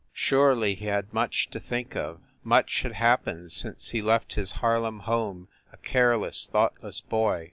Surely he had much to think of; much had happened since he left his Harlem home a careless, thoughtless boy.